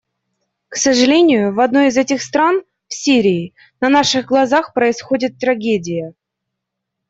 К сожалению, в одной из этих стран — в Сирии — на наших глазах происходит трагедия.